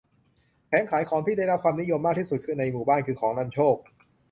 แผงขายของที่ได้รับความนิยมมากที่สุดในหมู่บ้านคือของนำโชค